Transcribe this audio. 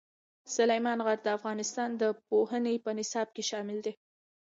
سلیمان غر د افغانستان د پوهنې په نصاب کې شامل دی.